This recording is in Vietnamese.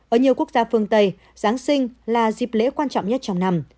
ở nhiều quốc gia phương tây giáng sinh là dịp lễ quan trọng nhất trong năm